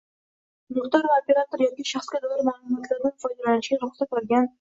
mulkdor va operator yoki shaxsga doir ma’lumotlardan foydalanishga ruxsat olgan